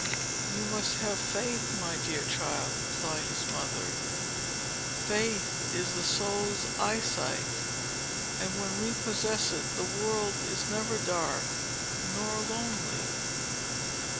"You must have faith, my dear child," replied his mother. "Faith is the soul's eyesight; and when we possess it, the world is never dark nor lonely."